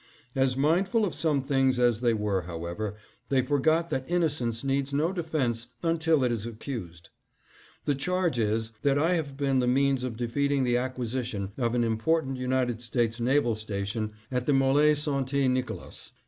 As mindful of some things as they were, however, they forgot that innocence needs no defense until it is accused. " The charge is, that I have been the means of defeating the acquisition of an important United States naval station at the MQl'e St. Nicolas.